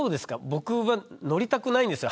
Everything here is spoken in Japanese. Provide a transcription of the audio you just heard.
僕は乗りたくないですよ